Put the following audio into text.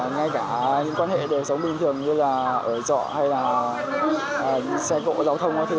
ngay cả những quan hệ đời sống bình thường như là ở chợ hay là xe cộ và giao thông